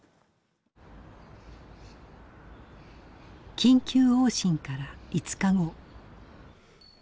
緊急往診から５日後。